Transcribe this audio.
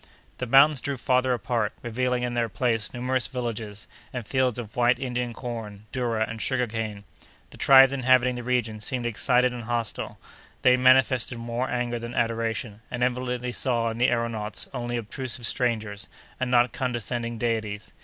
The mountains drew farther apart, revealing in their place numerous villages, and fields of white Indian corn, doura, and sugar cane. The tribes inhabiting the region seemed excited and hostile; they manifested more anger than adoration, and evidently saw in the aëronauts only obtrusive strangers, and not condescending deities.